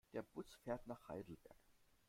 Der Bus fährt nach Heidelberg